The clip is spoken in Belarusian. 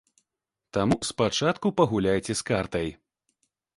Таму спачатку пагуляйце з картай.